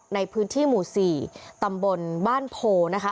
ในพื้นที่หมู่๔ตำบลบ้านโพนะคะ